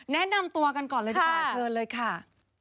แนะนำตัวกันก่อนเลยดีกว่าเชิญเลยค่ะ